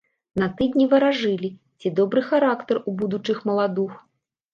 На тыдні варажылі, ці добры характар у будучых маладух.